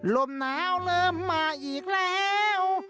ลมหนาวเริ่มมาอีกแล้ว